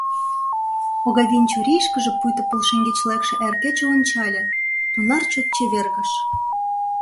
Огавийын чурийышкыже пуйто пыл шеҥгеч лекше эр кече ончале — тунар чот чевергыш.